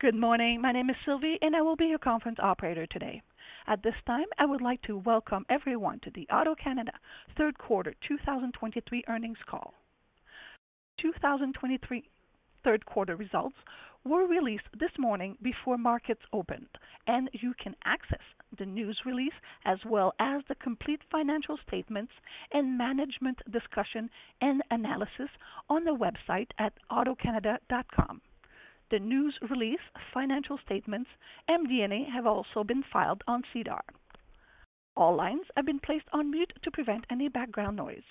Good morning. My name is Sylvie, and I will be your conference operator today. At this time, I would like to welcome everyone to the AutoCanada third quarter 2023 earnings call. 2023 third quarter results were released this morning before markets opened, and you can access the news release as well as the complete financial statements and management discussion and analysis on the website at autocanada.com. The news release, financial statements, and MD&A have also been filed on SEDAR. All lines have been placed on mute to prevent any background noise.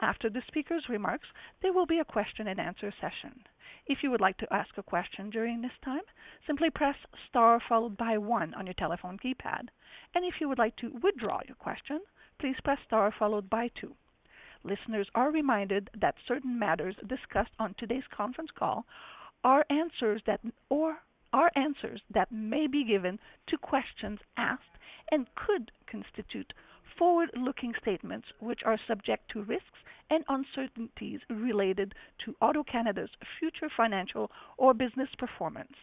After the speaker's remarks, there will be a question-and-answer session. If you would like to ask a question during this time, simply press star followed by one on your telephone keypad, and if you would like to withdraw your question, please press star followed by two. Listeners are reminded that certain matters discussed on today's conference call are answers that may be given to questions asked and could constitute forward-looking statements, which are subject to risks and uncertainties related to AutoCanada's future financial or business performance.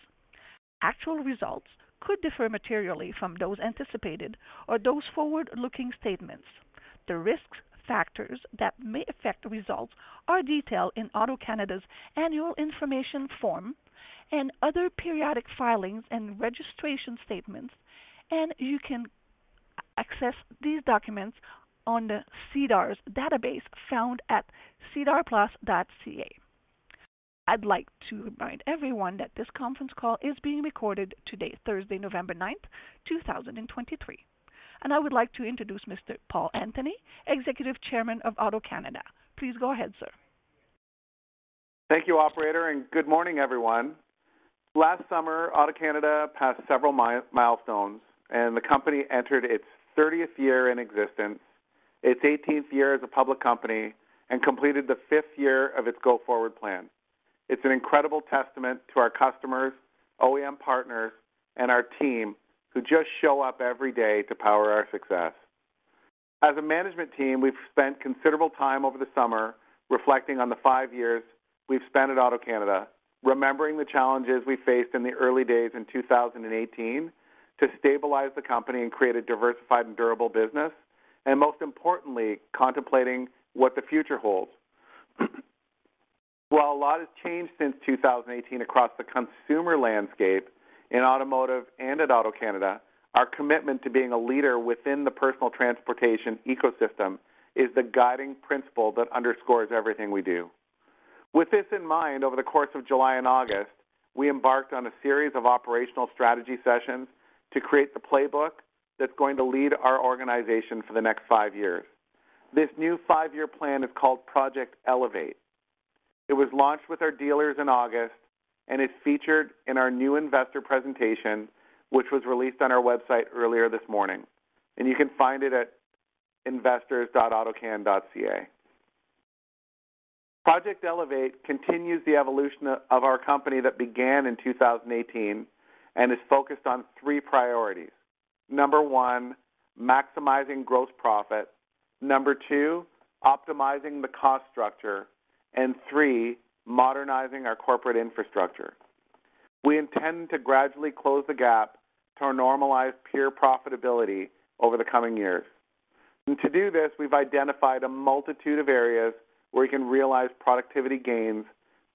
Actual results could differ materially from those anticipated or those forward-looking statements. The risk factors that may affect the results are detailed in AutoCanada's annual information form and other periodic filings and registration statements, and you can access these documents on the SEDAR+ database, found at sedarplus.ca. I'd like to remind everyone that this conference call is being recorded today, Thursday, November 9th, 2023. I would like to introduce Mr. Paul Antony, Executive Chairman of AutoCanada. Please go ahead, sir. Thank you, operator, and good morning, everyone. Last summer, AutoCanada passed several milestones, and the company entered its 30th year in existence, its 18th year as a public company, and completed the fifth year of its Go Forward Plan. It's an incredible testament to our customers, OEM partners, and our team who just show up every day to power our success. As a management team, we've spent considerable time over the summer reflecting on the five years we've spent at AutoCanada, remembering the challenges we faced in the early days in 2018 to stabilize the company and create a diversified and durable business, and most importantly, contemplating what the future holds. While a lot has changed since 2018 across the consumer landscape in automotive and at AutoCanada, our commitment to being a leader within the personal transportation ecosystem is the guiding principle that underscores everything we do. With this in mind, over the course of July and August, we embarked on a series of operational strategy sessions to create the playbook that's going to lead our organization for the next five years. This new five-year plan is called Project Elevate. It was launched with our dealers in August and is featured in our new investor presentation, which was released on our website earlier this morning, and you can find it at investors.autocan.ca. Project Elevate continues the evolution of our company that began in 2018 and is focused on three priorities. Number one, maximizing gross profit. Number two, optimizing the cost structure. And three, modernizing our corporate infrastructure. We intend to gradually close the gap to our normalized peer profitability over the coming years. And to do this, we've identified a multitude of areas where we can realize productivity gains,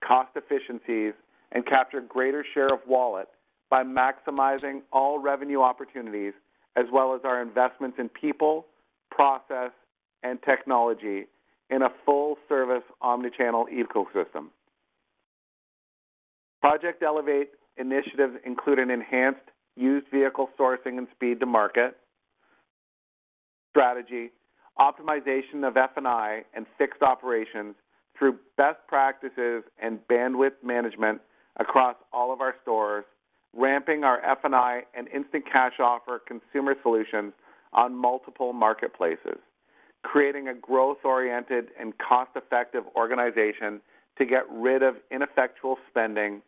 cost efficiencies, and capture greater share of wallet by maximizing all revenue opportunities, as well as our investments in people, process, and technology in a full-service omnichannel ecosystem. Project Elevate initiatives include an enhanced used vehicle sourcing and speed-to-market strategy, optimization of F&I and fixed operations through best practices and bandwidth management across all of our stores, ramping our F&I and instant cash offer consumer solutions on multiple marketplaces, creating a growth-oriented and cost-effective organization to get rid of ineffectual spending,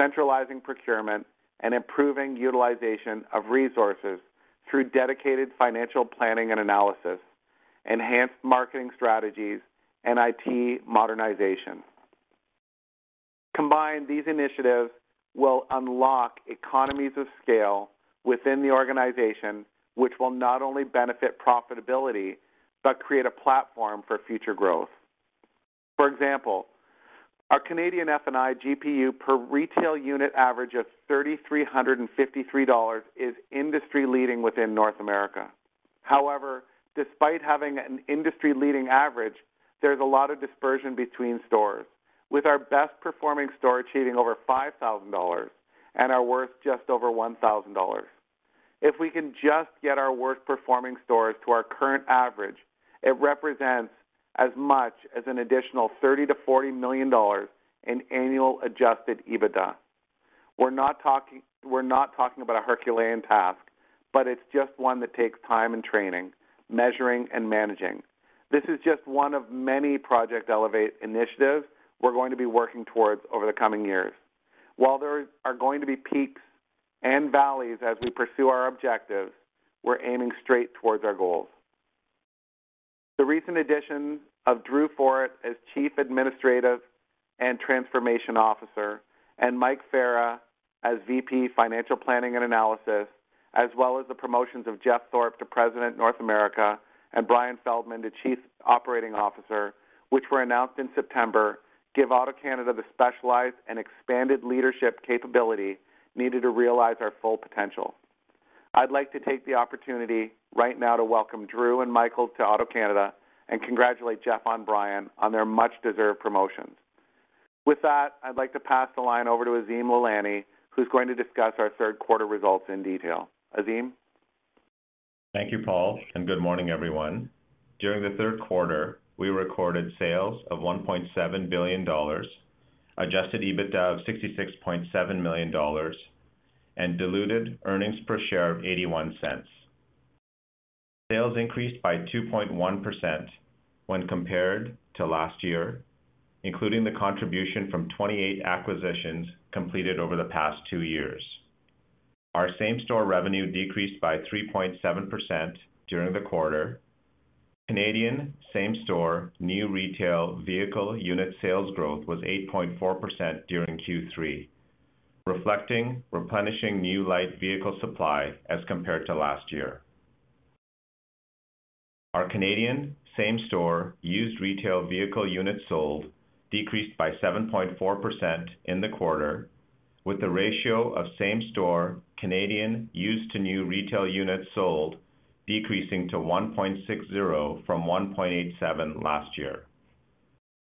centralizing procurement, and improving utilization of resources through dedicated financial planning and analysis, enhanced marketing strategies, and IT modernization. Combined, these initiatives will unlock economies of scale within the organization, which will not only benefit profitability, but create a platform for future growth. For example, our Canadian F&I GPU per retail unit average of 3,353 dollars is industry-leading within North America. However, despite having an industry-leading average, there's a lot of dispersion between stores, with our best-performing store achieving over 5,000 dollars and our worst just over 1,000 dollars. If we can just get our worst-performing stores to our current average, it represents as much as an additional 30 million-40 million dollars in annual Adjusted EBITDA. We're not talking about a Herculean task, but it's just one that takes time and training, measuring and managing. This is just one of many Project Elevate initiatives we're going to be working towards over the coming years. While there are going to be peaks and valleys as we pursue our objectives, we're aiming straight towards our goals. The recent addition of Drew Forret as Chief Administrative and Transformation Officer, and Michael Fera as VP Financial Planning and Analysis, as well as the promotions of Jeff Thorpe to President, North America, and Brian Feldman to Chief Operating Officer, which were announced in September, give AutoCanada the specialized and expanded leadership capability needed to realize our full potential. I'd like to take the opportunity right now to welcome Drew and Michael to AutoCanada, and congratulate Jeff and Brian on their much-deserved promotions. With that, I'd like to pass the line over to Azim Lalani, who's going to discuss our third quarter results in detail. Azim? Thank you, Paul, and good morning, everyone. During the third quarter, we recorded sales of 1.7 billion dollars, adjusted EBITDA of 66.7 million dollars, and diluted earnings per share of 0.81. Sales increased by 2.1% when compared to last year, including the contribution from 28 acquisitions completed over the past two years. Our same-store revenue decreased by 3.7% during the quarter. Canadian same-store new retail vehicle unit sales growth was 8.4% during Q3, reflecting replenishing new light vehicle supply as compared to last year. Our Canadian same-store used retail vehicle units sold decreased by 7.4% in the quarter, with the ratio of same-store Canadian used to new retail units sold decreasing to 1.60 from 1.87 last year.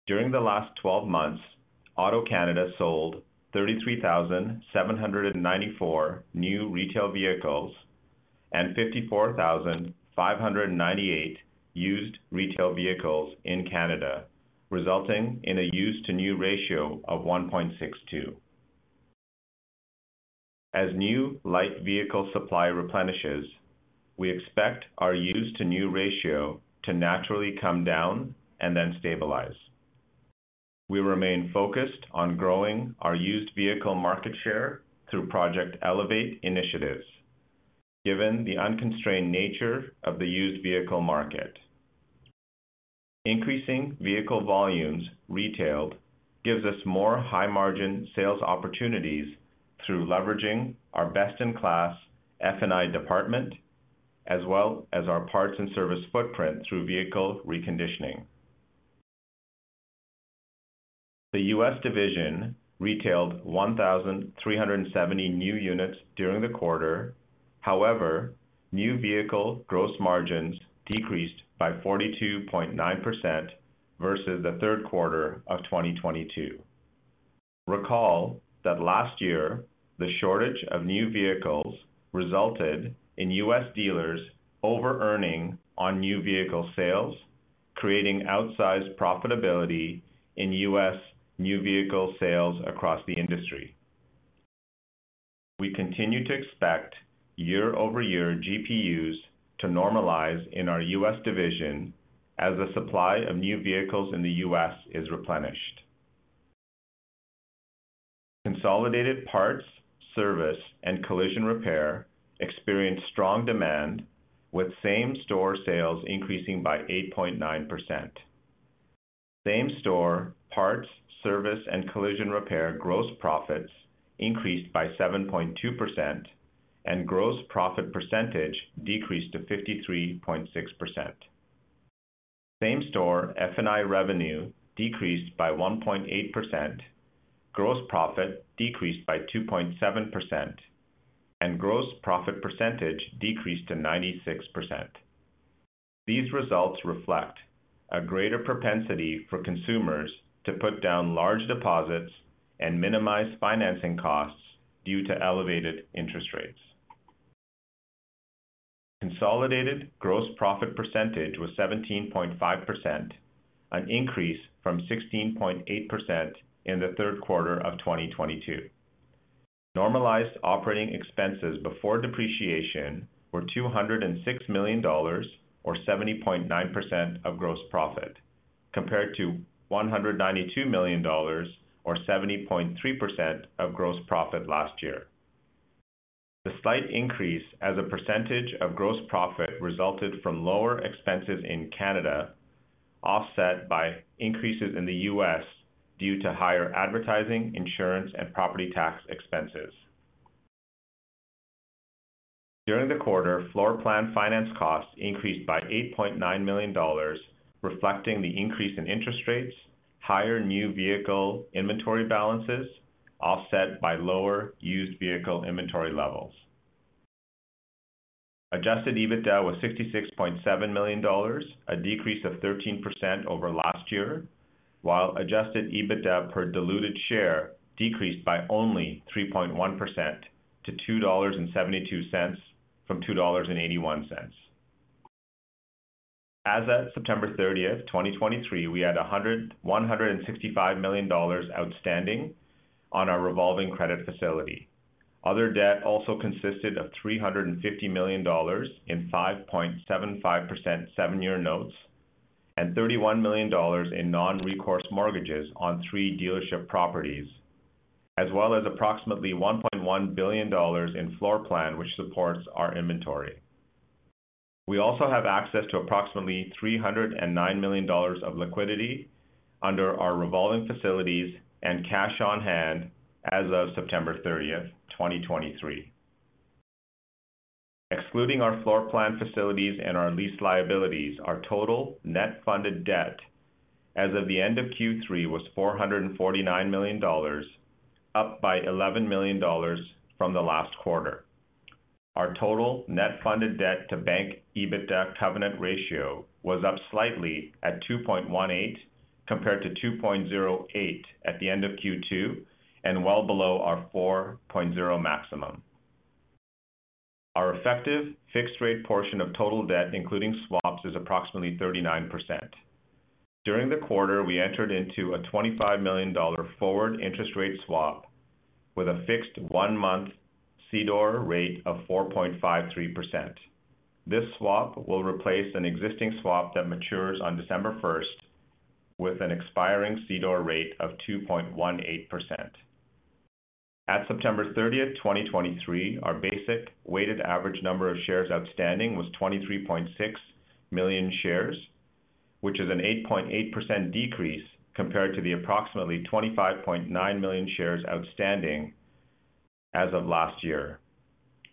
During the last 12 months, AutoCanada sold 33,794 new retail vehicles and 54,598 used retail vehicles in Canada, resulting in a used-to-new ratio of 1.62. As new light vehicle supply replenishes, we expect our used-to-new ratio to naturally come down and then stabilize. We remain focused on growing our used vehicle market share through Project Elevate initiatives, given the unconstrained nature of the used vehicle market. Increasing vehicle volumes retailed gives us more high-margin sales opportunities through leveraging our best-in-class F&I department, as well as our parts and service footprint through vehicle reconditioning. The U.S. division retailed 1,370 new units during the quarter. However, new vehicle gross margins decreased by 42.9% versus the third quarter of 2022. Recall that last year, the shortage of new vehicles resulted in U.S. dealers overearning on new vehicle sales, creating outsized profitability in U.S. new vehicle sales across the industry. We continue to expect year-over-year GPUs to normalize in our U.S. division as the supply of new vehicles in the U.S. is replenished. Consolidated parts, service, and collision repair experienced strong demand, with same-store sales increasing by 8.9%. Same-store parts, service, and collision repair gross profits increased by 7.2%, and gross profit percentage decreased to 53.6%. Same-store F&I revenue decreased by 1.8%, gross profit decreased by 2.7%, and gross profit percentage decreased to 96%. These results reflect a greater propensity for consumers to put down large deposits and minimize financing costs due to elevated interest rates. Consolidated gross profit percentage was 17.5%, an increase from 16.8% in the third quarter of 2022. Normalized operating expenses before depreciation were 206 million dollars or 70.9% of gross profit, compared to 192 million dollars or 70.3% of gross profit last year. The slight increase as a percentage of gross profit resulted from lower expenses in Canada, offset by increases in the U.S. due to higher advertising, insurance, and property tax expenses. During the quarter, floorplan finance costs increased by 8.9 million dollars, reflecting the increase in interest rates, higher new vehicle inventory balances, offset by lower used vehicle inventory levels. Adjusted EBITDA was 66.7 million dollars, a decrease of 13% over last year, while adjusted EBITDA per diluted share decreased by only 3.1% to 2.72 dollars from 2.81 dollars. As at September 30th, 2023, we had 165 million dollars outstanding on our revolving credit facility. Other debt also consisted of 350 million dollars in 5.75% seven-year notes and 31 million dollars in non-recourse mortgages on three dealership properties, as well as approximately 1.1 billion dollars in floorplan, which supports our inventory. We also have access to approximately 309 million dollars of liquidity under our revolving facilities and cash on hand as of September 30th, 2023. Excluding our floorplan facilities and our lease liabilities, our total net funded debt as of the end of Q3 was 449 million dollars, up by 11 million dollars from the last quarter. Our total net funded debt to bank EBITDA covenant ratio was up slightly at 2.18, compared to 2.08 at the end of Q2, and well below our 4.0 maximum. Our effective fixed rate portion of total debt, including swaps, is approximately 39%. During the quarter, we entered into a 25 million dollar forward interest rate swap with a fixed one-month CDOR rate of 4.53%. This swap will replace an existing swap that matures on December 1st with an expiring CDOR rate of 2.18%. At September 30th, 2023, our basic weighted average number of shares outstanding was 23.6 million shares, which is an 8.8% decrease compared to the approximately 25.9 million shares outstanding as of last year.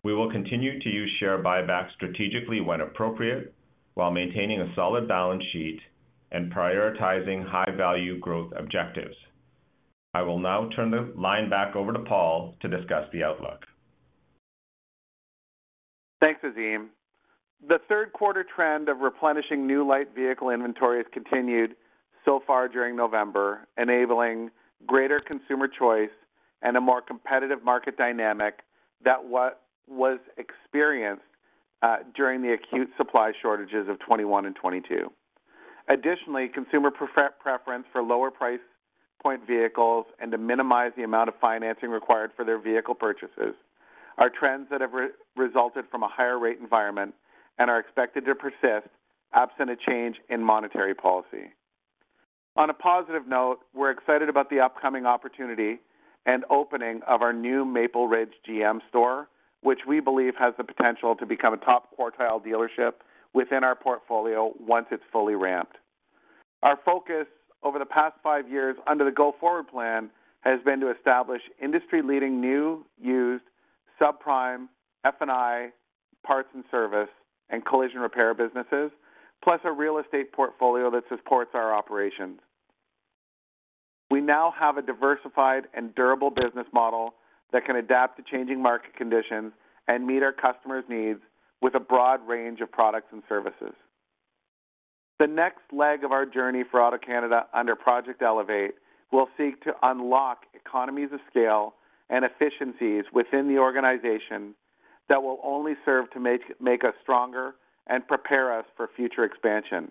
We will continue to use share buybacks strategically when appropriate, while maintaining a solid balance sheet and prioritizing high-value growth objectives. I will now turn the line back over to Paul to discuss the outlook. Thanks, Azim. The third quarter trend of replenishing new light vehicle inventory has continued so far during November, enabling greater consumer choice and a more competitive market dynamic than what was experienced during the acute supply shortages of 2021 and 2022. Additionally, consumer preference for lower price point vehicles and to minimize the amount of financing required for their vehicle purchases are trends that have resulted from a higher rate environment and are expected to persist absent a change in monetary policy. On a positive note, we're excited about the upcoming opportunity and opening of our new Maple Ridge GM store, which we believe has the potential to become a top quartile dealership within our portfolio once it's fully ramped. Our focus over the past five years under the Go Forward Plan has been to establish industry-leading, new, used, subprime, F&I, parts and service, and collision repair businesses, plus a real estate portfolio that supports our operations. We now have a diversified and durable business model that can adapt to changing market conditions and meet our customers' needs with a broad range of products and services. The next leg of our journey for AutoCanada under Project Elevate will seek to unlock economies of scale and efficiencies within the organization that will only serve to make us stronger and prepare us for future expansion.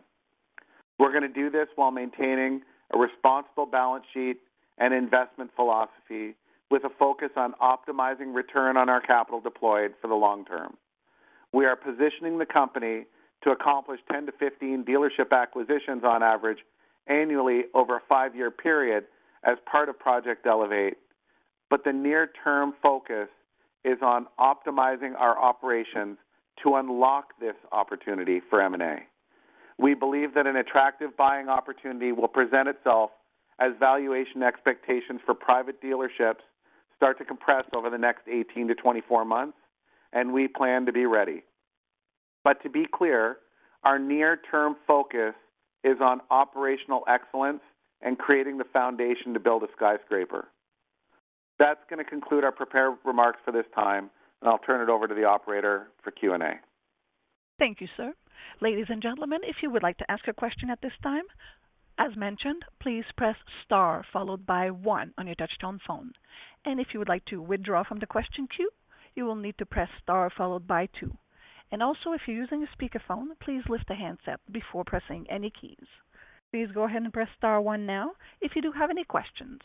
We're going to do this while maintaining a responsible balance sheet and investment philosophy with a focus on optimizing return on our capital deployed for the long term. We are positioning the company to accomplish 10-15 dealership acquisitions on average, annually over a five-year period as part of Project Elevate, but the near-term focus is on optimizing our operations to unlock this opportunity for M&A. We believe that an attractive buying opportunity will present itself as valuation expectations for private dealerships start to compress over the next 18-24 months, and we plan to be ready. But to be clear, our near-term focus is on operational excellence and creating the foundation to build a skyscraper. That's going to conclude our prepared remarks for this time, and I'll turn it over to the operator for Q&A. Thank you, sir. Ladies and gentlemen, if you would like to ask a question at this time, as mentioned, please press star followed by one on your touchtone phone. If you would like to withdraw from the question queue, you will need to press star followed by two. Also, if you're using a speakerphone, please lift the handset before pressing any keys. Please go ahead and press star one now if you do have any questions.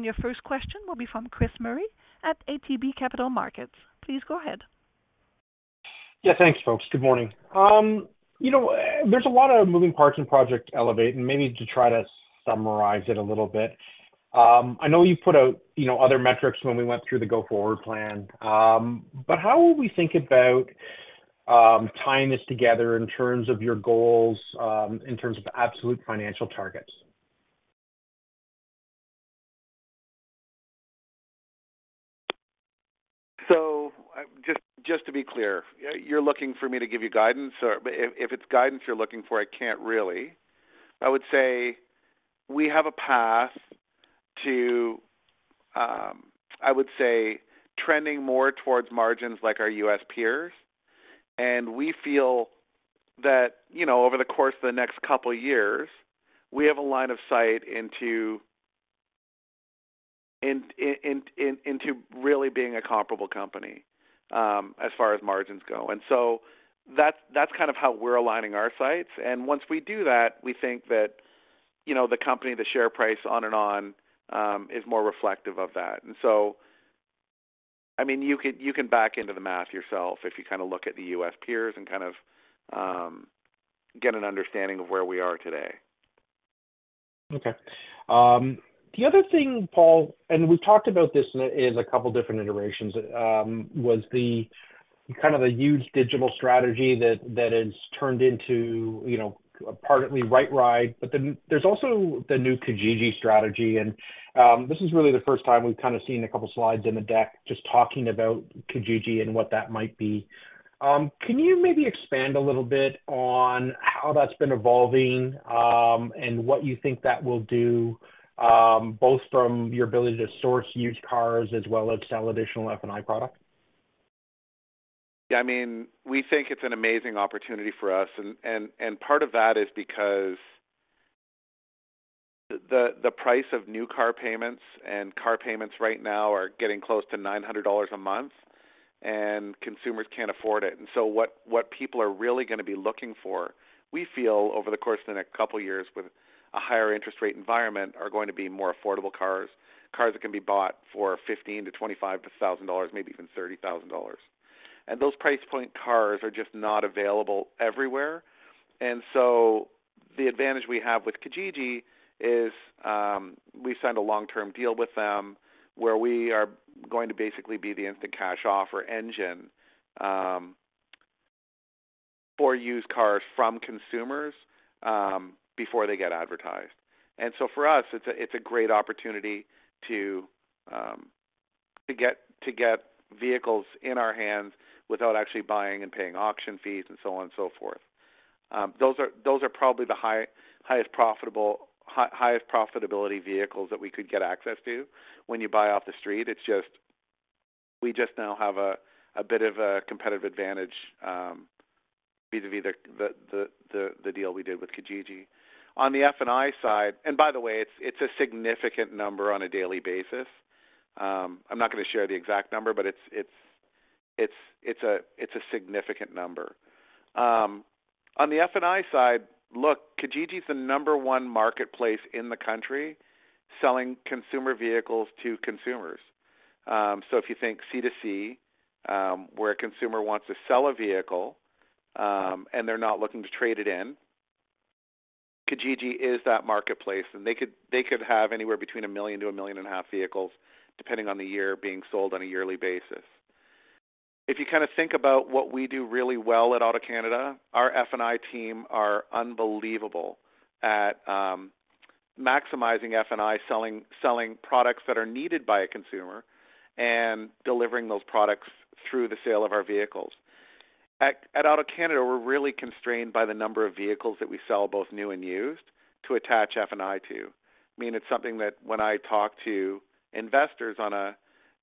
Your first question will be from Chris Murray at ATB Capital Markets. Please go ahead. Yeah, thanks, folks. Good morning. You know, there's a lot of moving parts in Project Elevate, and maybe to try to summarize it a little bit. I know you put out, you know, other metrics when we went through the Go Forward Plan, but how will we think about tying this together in terms of your goals, in terms of absolute financial targets? So just to be clear, you're looking for me to give you guidance? Or if it's guidance you're looking for, I can't really. I would say we have a path to, I would say trending more towards margins like our U.S. peers, and we feel that, you know, over the course of the next couple of years, we have a line of sight into really being a comparable company, as far as margins go. And so that's kind of how we're aligning our sights. And once we do that, we think that, you know, the company, the share price, on and on, is more reflective of that. And so-... I mean, you can, you can back into the math yourself if you kind of look at the U.S. peers and kind of get an understanding of where we are today. Okay. The other thing, Paul, and we've talked about this in a couple different iterations, was the kind of huge digital strategy that has turned into, you know, partly RightRide, but then there's also the new Kijiji strategy. And this is really the first time we've kind of seen a couple slides in the deck just talking about Kijiji and what that might be. Can you maybe expand a little bit on how that's been evolving, and what you think that will do, both from your ability to source used cars as well as sell additional F&I product? Yeah, I mean, we think it's an amazing opportunity for us, and part of that is because the price of new car payments and car payments right now are getting close to 900 dollars a month, and consumers can't afford it. So what people are really going to be looking for, we feel over the course of the next couple of years with a higher interest rate environment, are going to be more affordable cars, cars that can be bought for 15,000-25,000 dollars, maybe even 30,000 dollars. And those price point cars are just not available everywhere. And so the advantage we have with Kijiji is we signed a long-term deal with them where we are going to basically be the instant cash offer engine for used cars from consumers before they get advertised. And so for us, it's a great opportunity to get vehicles in our hands without actually buying and paying auction fees and so on and so forth. Those are probably the highest profitability vehicles that we could get access to when you buy off the street. It's just... We just now have a bit of a competitive advantage vis-a-vis the deal we did with Kijiji. On the F&I side, and by the way, it's a significant number on a daily basis. I'm not going to share the exact number, but it's a significant number. On the F&I side, look, Kijiji is the number one marketplace in the country selling consumer vehicles to consumers. So if you think C2C, where a consumer wants to sell a vehicle, and they're not looking to trade it in, Kijiji is that marketplace, and they could, they could have anywhere between 1 million-1.5 million vehicles, depending on the year, being sold on a yearly basis. If you kind of think about what we do really well at AutoCanada, our F&I team are unbelievable at maximizing F&I, selling, selling products that are needed by a consumer and delivering those products through the sale of our vehicles. At AutoCanada, we're really constrained by the number of vehicles that we sell, both new and used, to attach F&I to. I mean, it's something that when I talk to investors on a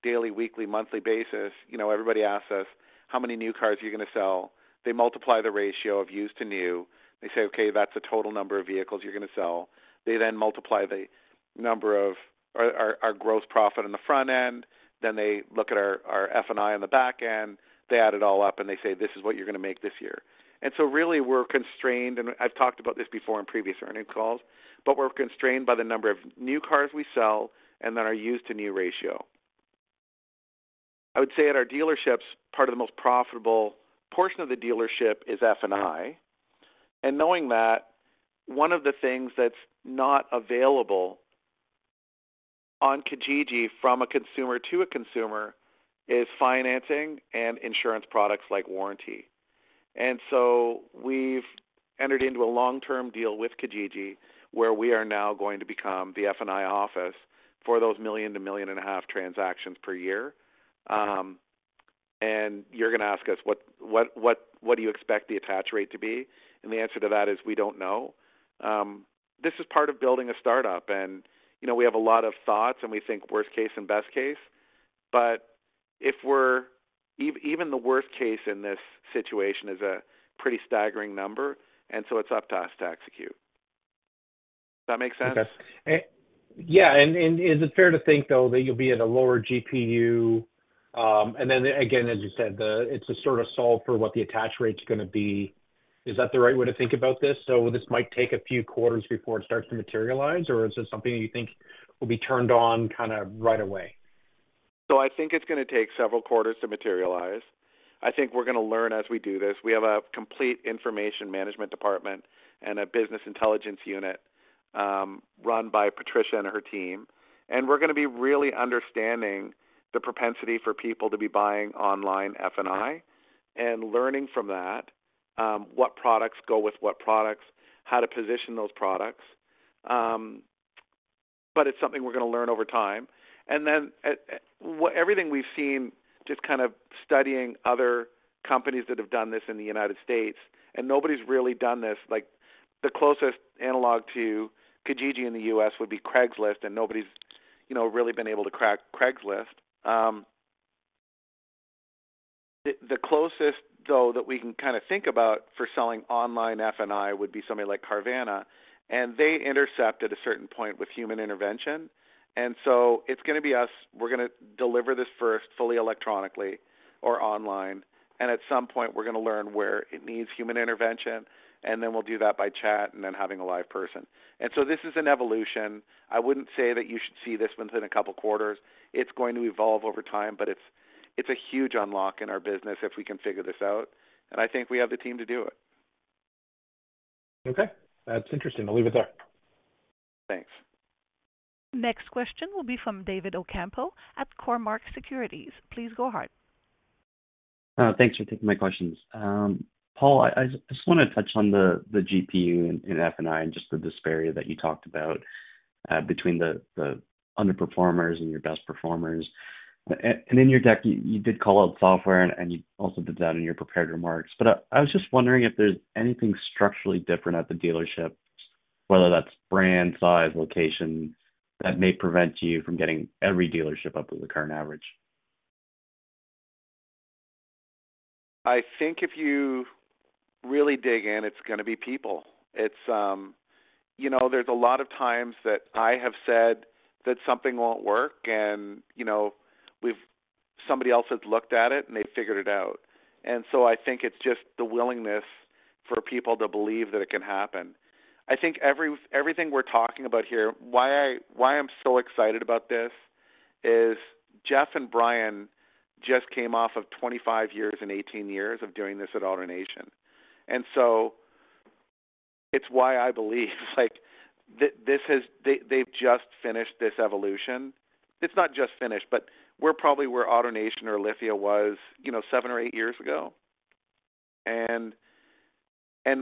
daily, weekly, monthly basis, you know, everybody asks us, "How many new cars are you going to sell?" They multiply the ratio of used to new. They say, "Okay, that's the total number of vehicles you're going to sell." They then multiply the number of our gross profit on the front end, then they look at our F&I on the back end, they add it all up, and they say, "This is what you're going to make this year." And so really, we're constrained, and I've talked about this before in previous earnings calls, but we're constrained by the number of new cars we sell and then our used to new ratio. I would say at our dealerships, part of the most profitable portion of the dealership is F&I, and knowing that, one of the things that's not available on Kijiji from a consumer to a consumer is financing and insurance products like warranty. And so we've entered into a long-term deal with Kijiji, where we are now going to become the F&I office for those 1 million-1.5 million transactions per year. And you're going to ask us, what, what, what, what do you expect the attach rate to be? And the answer to that is we don't know. This is part of building a startup, and, you know, we have a lot of thoughts, and we think worst case and best case, but if we're even the worst case in this situation is a pretty staggering number, and so it's up to us to execute. Does that make sense? Okay. Yeah, and is it fair to think, though, that you'll be at a lower GPU? And then again, as you said, it's a sort of solve for what the attach rate is going to be. Is that the right way to think about this? So this might take a few quarters before it starts to materialize, or is this something you think will be turned on kind of right away? So I think it's going to take several quarters to materialize. I think we're going to learn as we do this. We have a complete information management department and a business intelligence unit, run by Patricia and her team, and we're going to be really understanding the propensity for people to be buying online F&I and learning from that, what products go with what products, how to position those products. But it's something we're going to learn over time. And then, everything we've seen, just kind of studying other companies that have done this in the United States, and nobody's really done this. Like, the closest analog to Kijiji in the U.S. would be Craigslist, and nobody's, you know, really been able to crack Craigslist. The closest, though, that we can kind of think about for selling online F&I would be somebody like Carvana, and they intercept at a certain point with human intervention. And so it's going to be us. We're going to deliver this first fully electronically or online, and at some point, we're going to learn where it needs human intervention, and then we'll do that by chat and then having a live person. And so this is an evolution. I wouldn't say that you should see this within a couple of quarters. It's going to evolve over time, but it's a huge unlock in our business if we can figure this out, and I think we have the team to do it. Okay, that's interesting. I'll leave it there. Thanks. Next question will be from David Ocampo at Cormark Securities. Please go ahead. Thanks for taking my questions. Paul, I just wanna touch on the GPU in F&I and just the disparity that you talked about between the underperformers and your best performers. And in your deck, you did call out software, and you also did that in your prepared remarks. But I was just wondering if there's anything structurally different at the dealership, whether that's brand, size, location, that may prevent you from getting every dealership up to the current average. I think if you really dig in, it's gonna be people. It's, you know, there's a lot of times that I have said that something won't work, and, you know, we've-- somebody else has looked at it, and they figured it out. And so I think it's just the willingness for people to believe that it can happen. I think everything we're talking about here, why I, why I'm so excited about this is Jeff and Brian just came off of 25 years and 18 years of doing this at AutoNation. And so it's why I believe, like, this is... They, they've just finished this evolution. It's not just finished, but we're probably where AutoNation or Lithia was, you know, seven or eight years ago.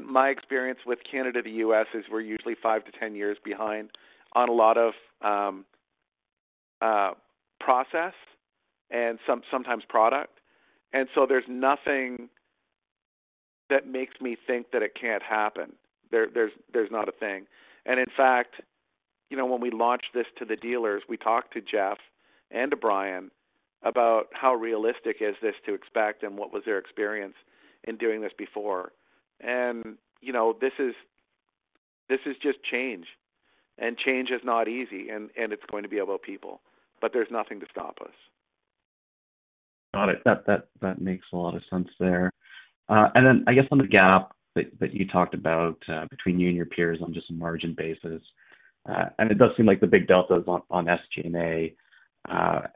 My experience with Canada to U.S. is we're usually five to 10 years behind on a lot of process and sometimes product, and so there's nothing that makes me think that it can't happen. There's not a thing. And in fact, you know, when we launched this to the dealers, we talked to Jeff and to Brian about how realistic is this to expect and what was their experience in doing this before. And, you know, this is just change, and change is not easy, and it's going to be about people, but there's nothing to stop us. Got it. That makes a lot of sense there. And then I guess on the gap that you talked about between you and your peers on just a margin basis, and it does seem like the big delta is on SG&A.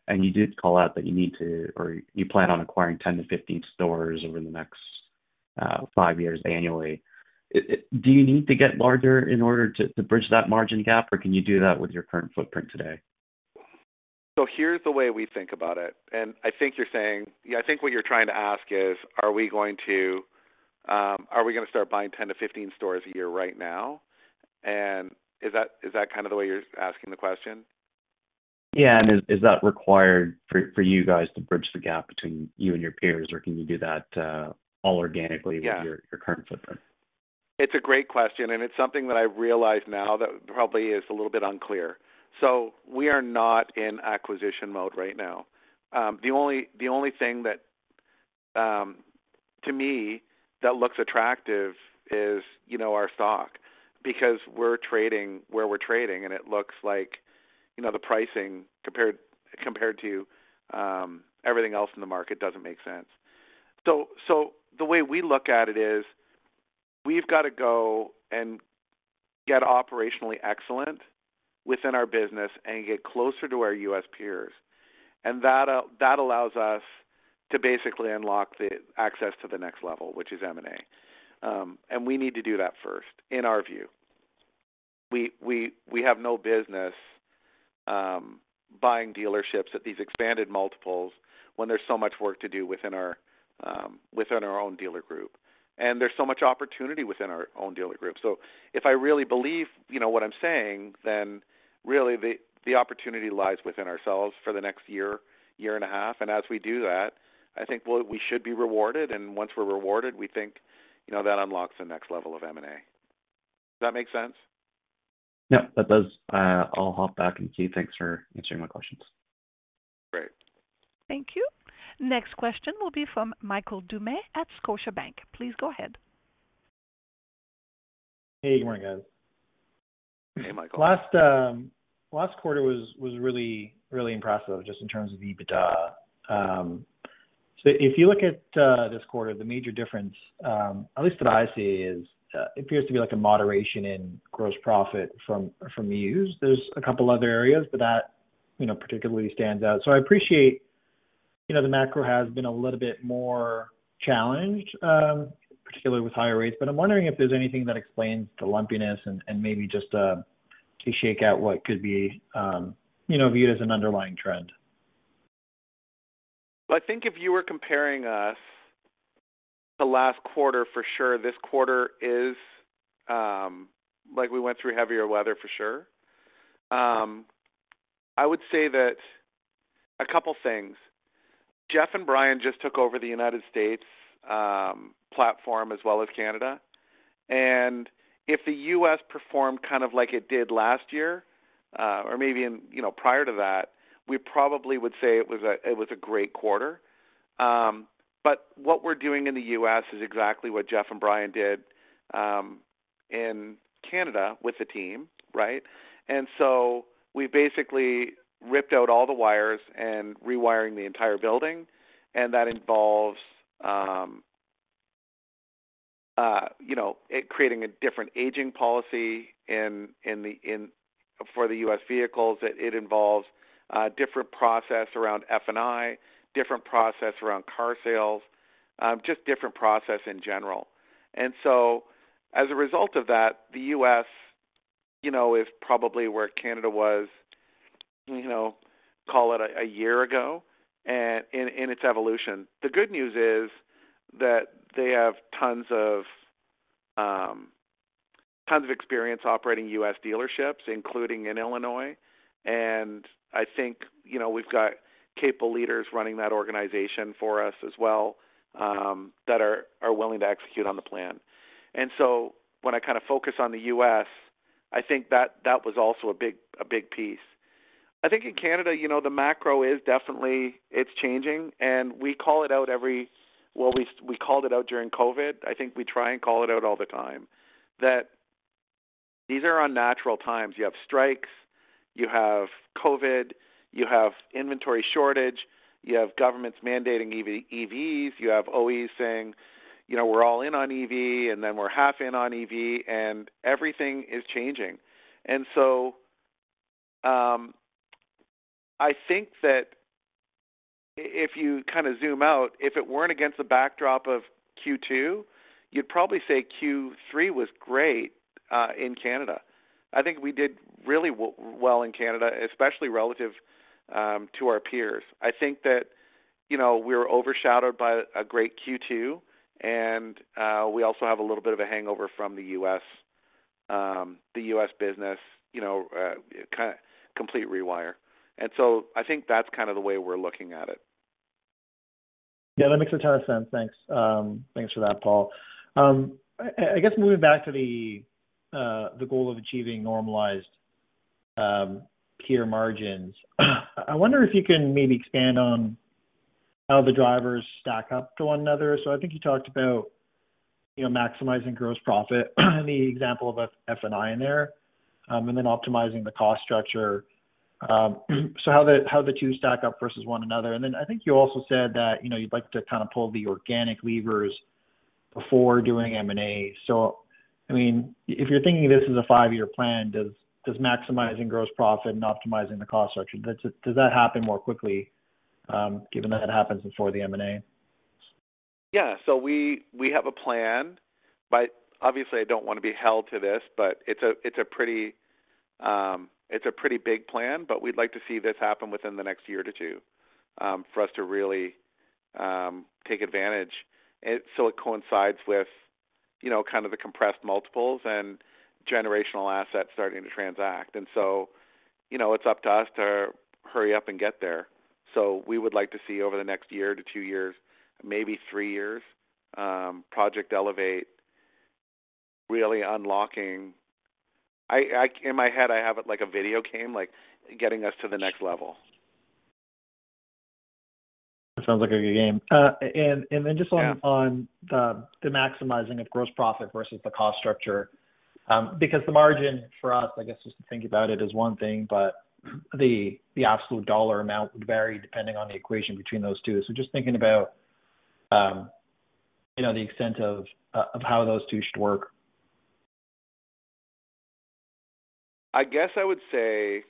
And you did call out that you need to, or you plan on acquiring 10-15 stores over the next five years annually. Do you need to get larger in order to bridge that margin gap, or can you do that with your current footprint today? So here's the way we think about it, and I think you're saying... Yeah, I think what you're trying to ask is, are we going to, are we gonna start buying 10-15 stores a year right now? And is that, is that kind of the way you're asking the question? Yeah. Is that required for you guys to bridge the gap between you and your peers, or can you do that all organically? Yeah. -with your current footprint? It's a great question, and it's something that I realize now that probably is a little bit unclear. So we are not in acquisition mode right now. The only thing that to me that looks attractive is, you know, our stock, because we're trading where we're trading, and it looks like, you know, the pricing compared to everything else in the market doesn't make sense. So the way we look at it is, we've got to go and get operationally excellent within our business and get closer to our U.S. peers, and that allows us to basically unlock the access to the next level, which is M&A. And we need to do that first in our view. We have no business buying dealerships at these expanded multiples when there's so much work to do within our own dealer group, and there's so much opportunity within our own dealer group. So if I really believe, you know, what I'm saying, then really, the opportunity lies within ourselves for the next year and a half. And as we do that, I think we should be rewarded, and once we're rewarded, we think, you know, that unlocks the next level of M&A. Does that make sense? Yeah, that does. I'll hop back in queue. Thanks for answering my questions. Great. Thank you. Next question will be from Michael Doumet at Scotiabank. Please go ahead. Hey, good morning, guys. Hey, Michael. Last quarter was really impressive just in terms of EBITDA. So if you look at this quarter, the major difference, at least that I see, is it appears to be like a moderation in gross profit from used. There's a couple other areas, but that, you know, particularly stands out. So I appreciate, you know, the macro has been a little bit more challenged, particularly with higher rates, but I'm wondering if there's anything that explains the lumpiness and maybe just to shake out what could be, you know, viewed as an underlying trend. I think if you were comparing us the last quarter, for sure, this quarter is, like we went through heavier weather for sure. I would say that a couple things. Jeff and Brian just took over the United States platform as well as Canada. And if the U.S. performed kind of like it did last year, or maybe in, you know, prior to that, we probably would say it was a great quarter. But what we're doing in the U.S. is exactly what Jeff and Brian did in Canada with the team, right? And so we basically ripped out all the wires and rewiring the entire building, and that involves, you know, it creating a different aging policy for the U.S. vehicles, it involves a different process around F&I, different process around car sales, just different process in general. And so as a result of that, the U.S., you know, is probably where Canada was, you know, call it a year ago and in its evolution. The good news is that they have tons of tons of experience operating U.S. dealerships, including in Illinois. And I think, you know, we've got capable leaders running that organization for us as well, that are willing to execute on the plan. And so when I kinda focus on the U.S., I think that was also a big piece. I think in Canada, you know, the macro is definitely, it's changing, and we call it out, well, we, we called it out during COVID. I think we try and call it out all the time, that these are unnatural times. You have strikes, you have COVID, you have inventory shortage, you have governments mandating EV, EVs, you have OEs saying, "You know, we're all in on EV, and then we're half in on EV," and everything is changing. And so, I think that if you kinda zoom out, if it weren't against the backdrop of Q2, you'd probably say Q3 was great, in Canada. I think we did really well in Canada, especially relative, to our peers. I think that, you know, we're overshadowed by a great Q2, and we also have a little bit of a hangover from the U.S., the U.S. business, you know, complete rewire. And so I think that's kind of the way we're looking at it. Yeah, that makes a ton of sense. Thanks. Thanks for that, Paul. I guess moving back to the goal of achieving normalized peer margins, I wonder if you can maybe expand on how the drivers stack up to one another. So I think you talked about, you know, maximizing gross profit, and the example of F&I in there, and then optimizing the cost structure. So how the two stack up versus one another. And then I think you also said that, you know, you'd like to kinda pull the organic levers before doing M&A. So, I mean, if you're thinking of this as a five-year plan, does maximizing gross profit and optimizing the cost structure happen more quickly, given that it happens before the M&A? Yeah. So we, we have a plan, but obviously I don't want to be held to this, but it's a, it's a pretty, it's a pretty big plan, but we'd like to see this happen within the next one to two years for us to really take advantage. And so it coincides with, you know, kind of the compressed multiples and generational assets starting to transact. And so, you know, it's up to us to hurry up and get there. So we would like to see over the next one to two years, maybe three years, Project Elevate really unlocking... I, I, in my head, I have it like a video game, like getting us to the next level. It sounds like a good game. And then just on- Yeah... on the maximizing of gross profit versus the cost structure, because the margin for us, I guess, just to think about it, is one thing, but the absolute dollar amount would vary depending on the equation between those two. So just thinking about, you know, the extent of how those two should work. I guess I would say,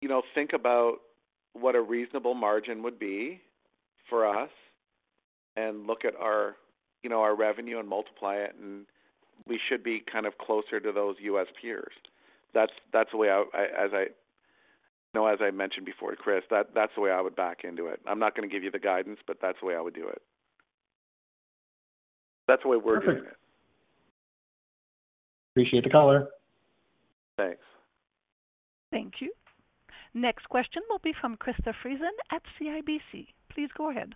you know, think about what a reasonable margin would be for us and look at our, you know, our revenue and multiply it, and we should be kind of closer to those U.S. peers. That's the way I... As I know, as I mentioned before, Chris, that's the way I would back into it. I'm not gonna give you the guidance, but that's the way I would do it. That's the way we're doing it. Perfect. Appreciate the color. Thanks. Thank you. Next question will be from Krista Friesen at CIBC. Please go ahead.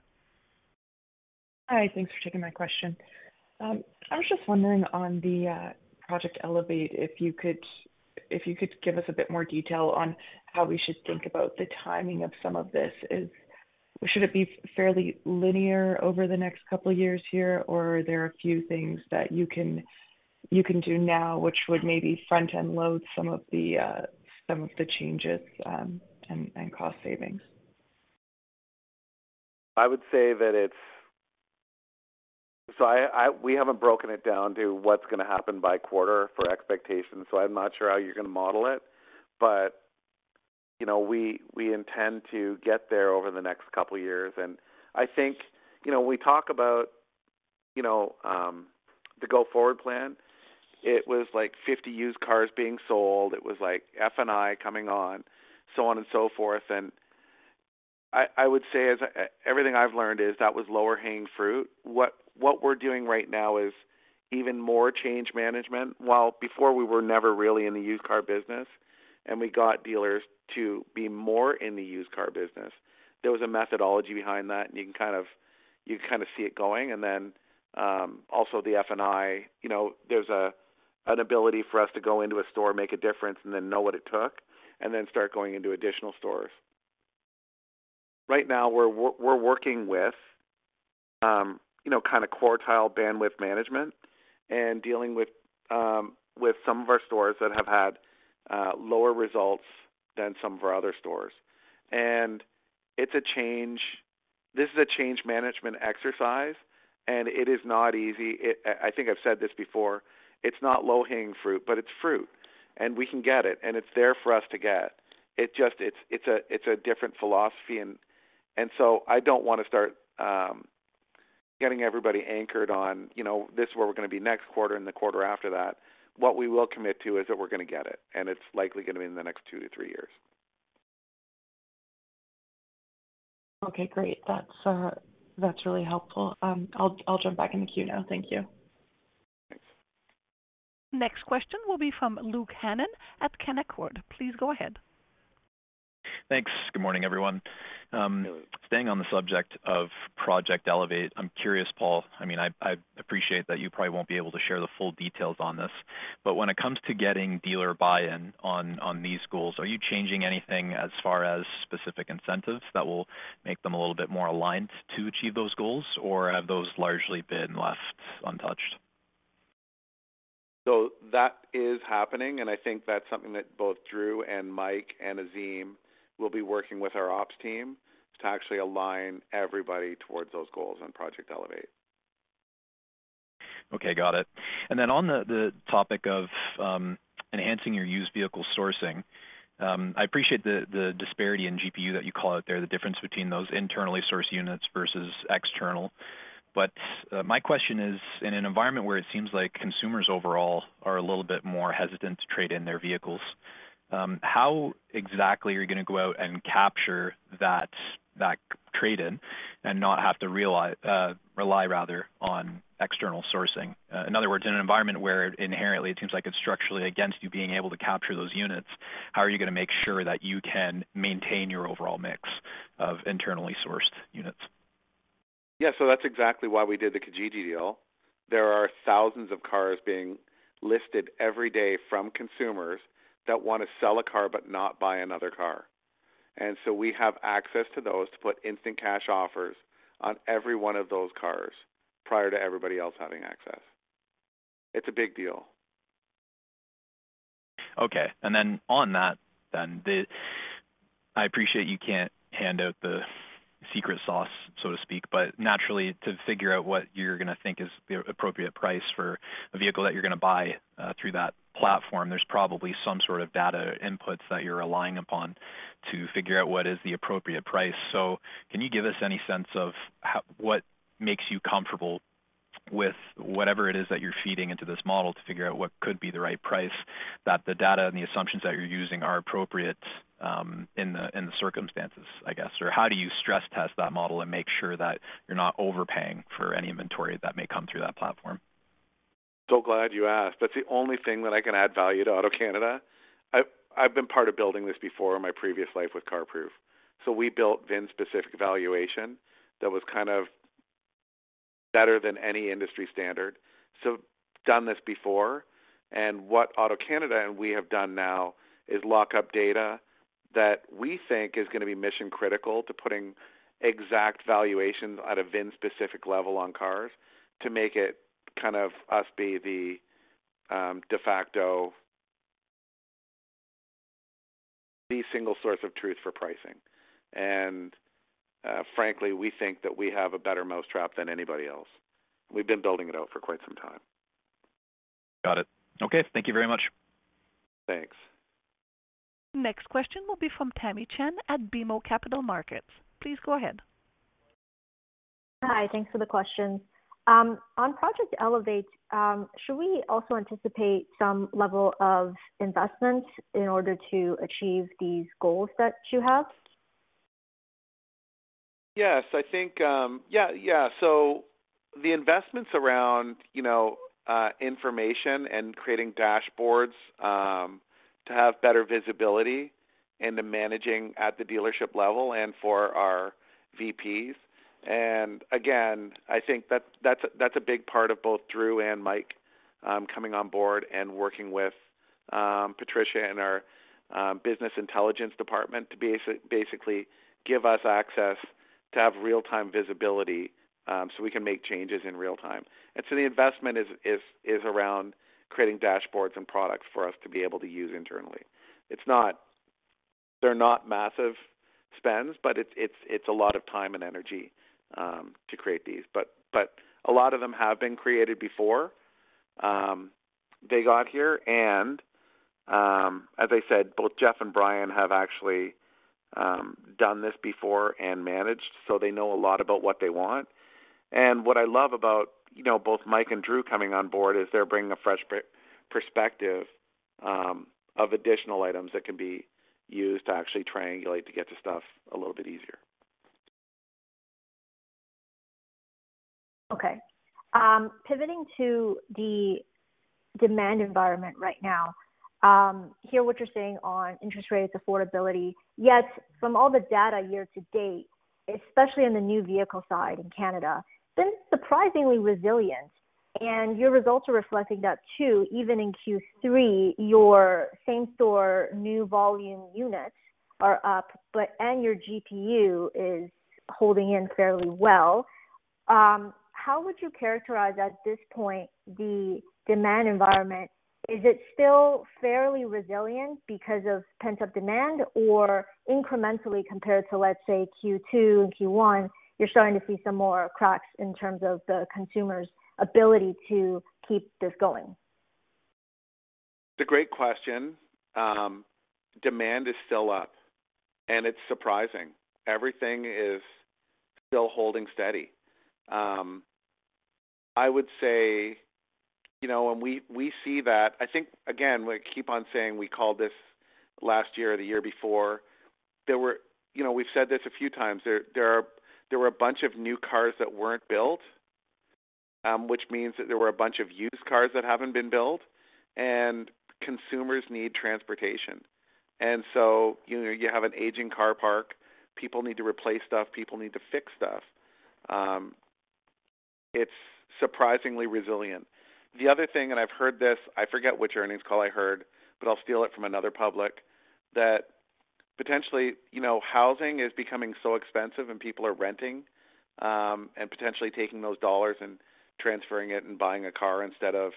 Hi, thanks for taking my question. I was just wondering on the Project Elevate, if you could, if you could give us a bit more detail on how we should think about the timing of some of this. Should it be fairly linear over the next couple of years here, or are there a few things that you can, you can do now which would maybe front-end load some of the, some of the changes, and, and cost savings? I would say that it's - so we haven't broken it down to what's gonna happen by quarter for expectations, so I'm not sure how you're gonna model it. But, you know, we intend to get there over the next couple of years. And I think, you know, when we talk about, you know, the Go Forward Plan, it was like 50 used cars being sold, it was like F&I coming on, so on and so forth. And I would say as everything I've learned is that was low-hanging fruit. What we're doing right now is even more change management. While before we were never really in the used car business, and we got dealers to be more in the used car business, there was a methodology behind that, and you can kind of see it going. And then, also the F&I, you know, there's an ability for us to go into a store, make a difference, and then know what it took, and then start going into additional stores. Right now, we're working with, you know, kinda quartile bandwidth management and dealing with, with some of our stores that have had, lower results than some of our other stores. And it's a change management exercise, and it is not easy. I think I've said this before, it's not low-hanging fruit, but it's fruit, and we can get it, and it's there for us to get. It just, it's a different philosophy, and so I don't want to start getting everybody anchored on, you know, this is where we're gonna be next quarter and the quarter after that. What we will commit to is that we're gonna get it, and it's likely gonna be in the next two to three years. Okay, great. That's, that's really helpful. I'll, I'll jump back in the queue now. Thank you. Next question will be from Luke Hannan at Canaccord. Please go ahead. Thanks. Good morning, everyone. Staying on the subject of Project Elevate, I'm curious, Paul, I mean, I appreciate that you probably won't be able to share the full details on this, but when it comes to getting dealer buy-in on, on these goals, are you changing anything as far as specific incentives that will make them a little bit more aligned to achieve those goals? Or have those largely been left untouched? That is happening, and I think that's something that both Drew and Mike and Azim will be working with our ops team to actually align everybody towards those goals on Project Elevate. Okay, got it. And then on the topic of enhancing your used vehicle sourcing, I appreciate the disparity in GPU that you call out there, the difference between those internally sourced units versus external. But my question is, in an environment where it seems like consumers overall are a little bit more hesitant to trade in their vehicles, how exactly are you gonna go out and capture that trade-in and not have to rely rather on external sourcing? In other words, in an environment where inherently it seems like it's structurally against you being able to capture those units, how are you gonna make sure that you can maintain your overall mix of internally sourced units? Yeah, so that's exactly why we did the Kijiji deal. There are thousands of cars being listed every day from consumers that want to sell a car but not buy another car. And so we have access to those to put instant cash offers on every one of those cars prior to everybody else having access. It's a big deal. Okay. And then on that then, the... I appreciate you can't hand out the secret sauce, so to speak, but naturally, to figure out what you're gonna think is the appropriate price for a vehicle that you're gonna buy through that platform, there's probably some sort of data inputs that you're relying upon to figure out what is the appropriate price. So can you give us any sense of how, what makes you comfortable with whatever it is that you're feeding into this model to figure out what could be the right price, that the data and the assumptions that you're using are appropriate, in the circumstances, I guess? Or how do you stress test that model and make sure that you're not overpaying for any inventory that may come through that platform? So glad you asked. That's the only thing that I can add value to AutoCanada. I've been part of building this before in my previous life with CarProof. So we built VIN-specific valuation that was kind of better than any industry standard. So done this before, and what AutoCanada and we have done now is lock up data that we think is gonna be mission-critical to putting exact valuations at a VIN-specific level on cars to make it kind of us be the de facto the single source of truth for pricing. And frankly, we think that we have a better mousetrap than anybody else. We've been building it out for quite some time. Got it. Okay. Thank you very much. Thanks. Next question will be from Tamy Chen at BMO Capital Markets. Please go ahead. Hi, thanks for the question. On Project Elevate, should we also anticipate some level of investment in order to achieve these goals that you have? Yes, I think, yeah, yeah. So the investments around, you know, information and creating dashboards to have better visibility into managing at the dealership level and for our VPs. And again, I think that's a big part of both Drew and Mike coming on board and working with Patricia and our business intelligence department to basically give us access to have real-time visibility so we can make changes in real time. And so the investment is around creating dashboards and products for us to be able to use internally. It's not... They're not massive spends, but it's a lot of time and energy to create these. But a lot of them have been created before they got here, and as I said, both Jeff and Brian have actually done this before and managed, so they know a lot about what they want. And what I love about, you know, both Mike and Drew coming on board, is they're bringing a fresh perspective of additional items that can be used to actually triangulate to get to stuff a little bit easier. Okay. Pivoting to the demand environment right now, hear what you're saying on interest rates, affordability, yet from all the data year to date, especially on the new vehicle side in Canada, been surprisingly resilient, and your results are reflecting that, too. Even in Q3, your same-store new volume units are up, but, and your GPU is holding in fairly well. How would you characterize at this point, the demand environment? Is it still fairly resilient because of pent-up demand or incrementally compared to, let's say, Q2 and Q1, you're starting to see some more cracks in terms of the consumer's ability to keep this going? It's a great question. Demand is still up, and it's surprising. Everything is still holding steady. I would say, you know, when we see that, I think again, we keep on saying we called this last year or the year before. There were... You know, we've said this a few times. There were a bunch of new cars that weren't built, which means that there were a bunch of used cars that haven't been built, and consumers need transportation. And so, you know, you have an aging car park. People need to replace stuff. People need to fix stuff. It's surprisingly resilient. The other thing, and I've heard this, I forget which earnings call I heard, but I'll steal it from another public, that potentially, you know, housing is becoming so expensive and people are renting, and potentially taking those dollars and transferring it and buying a car instead of,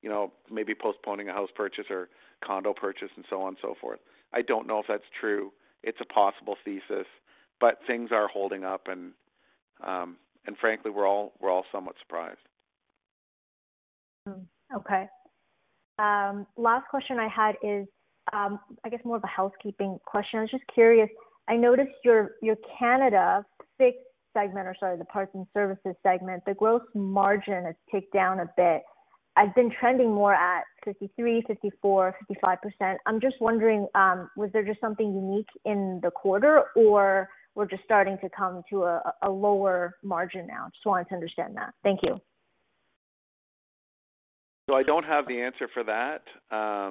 you know, maybe postponing a house purchase or condo purchase and so on and so forth. I don't know if that's true. It's a possible thesis, but things are holding up, and, and frankly, we're all, we're all somewhat surprised. Hmm. Okay. Last question I had is, I guess more of a housekeeping question. I was just curious, I noticed your, your Canada fixed segment, or sorry, the parts and services segment, the growth margin has ticked down a bit. I've been trending more at 53%, 54%, 55%. I'm just wondering, was there just something unique in the quarter, or we're just starting to come to a, a lower margin now? Just wanted to understand that. Thank you. So I don't have the answer for that. I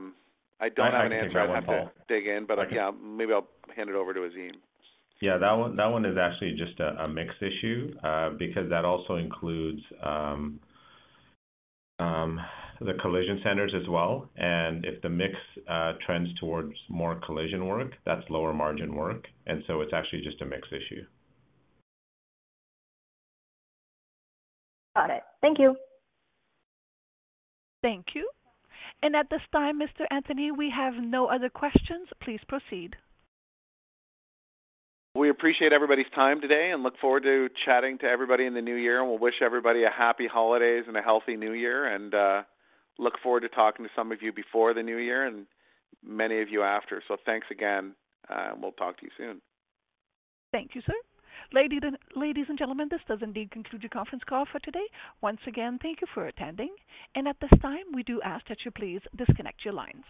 don't have the answer. I'd have to dig in, but I, yeah, maybe I'll hand it over to Azim. Yeah, that one, that one is actually just a mix issue, because that also includes the collision centers as well. And if the mix trends toward more collision work, that's lower margin work, and so it's actually just a mix issue. Got it. Thank you. Thank you. At this time, Mr. Antony, we have no other questions. Please proceed. We appreciate everybody's time today and look forward to chatting to everybody in the new year, and we'll wish everybody a happy holidays and a healthy new year, and look forward to talking to some of you before the new year and many of you after. So thanks again, and we'll talk to you soon. Thank you, sir. Ladies and gentlemen, this does indeed conclude the conference call for today. Once again, thank you for attending, and at this time, we do ask that you please disconnect your lines.